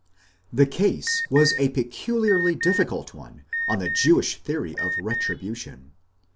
'The case was a peculiarly difficult one on the Jewish theory of retribution.